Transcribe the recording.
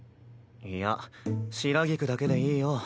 いや白菊だけでいいよ。